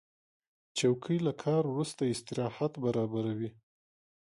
چوکۍ له کار وروسته استراحت برابروي.